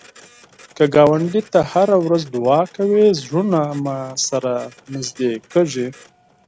که ګاونډي ته هره ورځ دعا کوې، زړونه مو سره نږدې کېږي